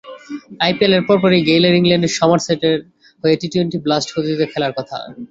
আইপিএলের পরপরই গেইলের ইংল্যান্ডে সমারসেটের হয়ে টি-টোয়েন্টি ব্লাস্ট প্রতিযোগিতায় খেলার কথা।